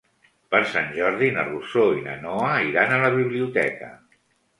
Per Sant Jordi na Rosó i na Noa iran a la biblioteca.